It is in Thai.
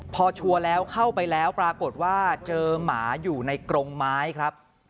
พอชัวร์แล้วเข้าไปแล้วปรากฏว่าเจอหมาอยู่ในกรงไม้ครับ